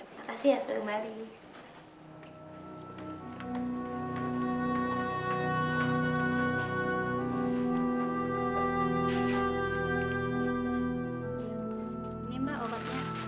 makasih ya selamat malam